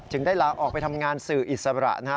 ได้ลาออกไปทำงานสื่ออิสระนะฮะ